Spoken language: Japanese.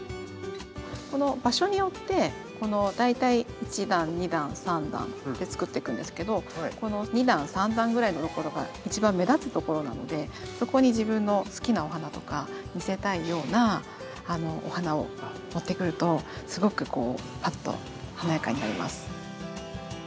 この場所によって大体１段２段３段って作っていくんですけどこの２段３段ぐらいのところが一番目立つところなのでそこに自分の好きなお花とか見せたいようなお花を持ってくるとすごくこうパッと華やかになります。